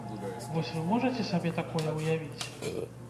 Вось вы можаце сабе такое ўявіць?